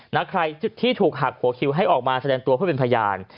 นะใครที่ถูกหักหัวคิวให้ออกมาแสดงตัวเพื่อเป็นพยาน